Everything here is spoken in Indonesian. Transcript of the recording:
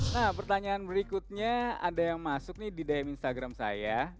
nah pertanyaan berikutnya ada yang masuk nih di dm instagram saya